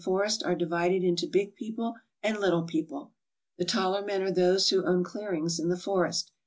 forest are divided into big people and little people. The taller men are those who own clearings in the forest.